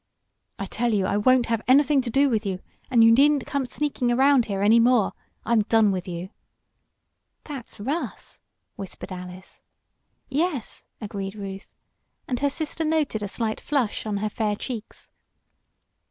"I tell you I won't have anything to do with you, and you needn't come sneaking around here any more. I'm done with you!" "That's Russ," whispered Alice. "Yes," agreed Ruth, and her sister noted a slight flush on her fair cheeks.